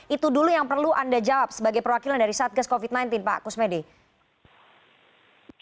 itu dulu yang perlu anda jawab sebagai perwakilan dari satgas covid sembilan belas pak kusmedi